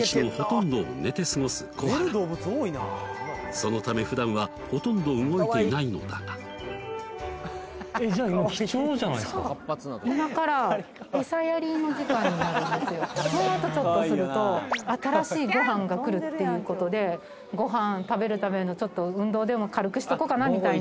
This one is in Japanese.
そのため普段はほとんど動いていないのだがもうあとちょっとすると新しいご飯が来るっていうことでご飯食べるためのちょっと運動でも軽くしとこうかなみたいな